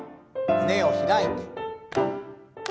胸を開いて。